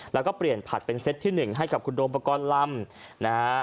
แล้วก็เปลี่ยนผัดเป็นเซตที่๑ให้กับคุณโดมปกรณ์ลำนะฮะ